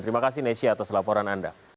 terima kasih nesya atas laporan anda